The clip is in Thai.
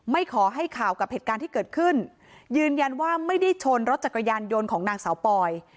ไม่ขอให้ข่าวกับเหตุการณ์ที่เกิดขึ้นยืนยันว่าไม่ได้ชนรถจักรยานยนต์ของนางสาวปอย